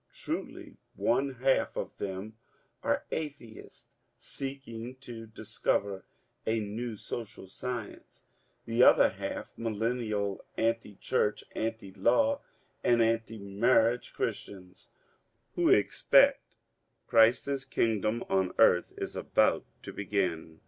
Tndy one half of them are atheists seeking to dis cover a ^^ New Social Science," the other half Millennial anti church, anti law, and anti marriage Christians, who expect Christ's kingdom on earth is about to begin.